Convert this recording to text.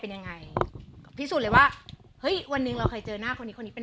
เป็นยังไงพิสูจน์เลยว่าเฮ้ยวันหนึ่งเราเคยเจอหน้าคนนี้คนนี้เป็น